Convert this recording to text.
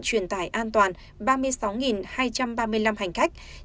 truyền tải an toàn ba mươi sáu hai trăm ba mươi năm hành khách